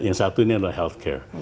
yang satu ini adalah health care